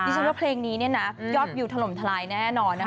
กิจภัยเพลงนี้นะยอดวิวถล่มทลายแน่นอน